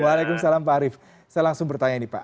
waalaikumsalam pak arief saya langsung bertanya ini pak